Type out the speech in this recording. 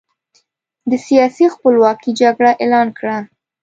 د سیاسي خپلواکۍ جګړه اعلان کړه.